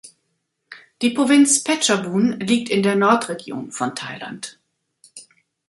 Die Provinz Phetchabun liegt in der Nordregion von Thailand.